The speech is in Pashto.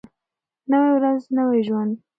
نوی ورځ نوی ژوند.